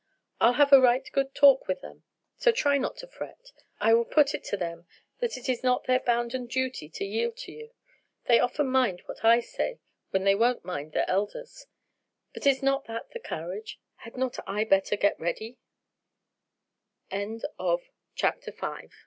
I'll have a right good talk with them, so try not to fret. I will put it to them that it is their bounden duty to yield to you. They often mind what I say when they won't mind their elders. But is not that the carriage? Had not I better get ready?" CHAPTER VI BELLE THE SAGE.